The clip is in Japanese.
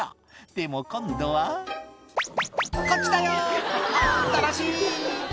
「でも今度はこっちだよあ楽しい！」